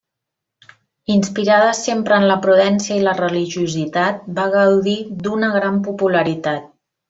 Inspirada sempre en la prudència i la religiositat va gaudir d'una gran popularitat.